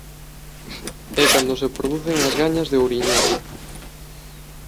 É cando se producen as gañas de ouriñar.